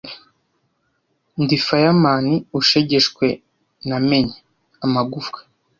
Ndi fireman ushegeshwe namennye-amagufwa,